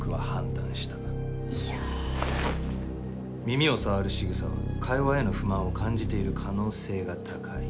耳を触るしぐさは会話への不満を感じている可能性が高い。